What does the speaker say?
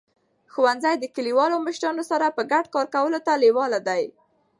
ښوونځي د کلیوالو مشرانو سره په ګډه کار کولو ته لیواله دي.